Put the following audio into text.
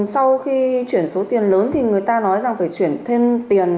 sau khi chuyển số tiền lớn thì người ta nói rằng phải chuyển thêm tiền